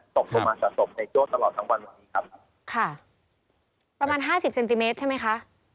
ตกลงมาสะสมในโจ้ตลอดทั้งวันวันนี้ครับค่ะประมาณห้าสิบเซนติเมตรใช่ไหมคะ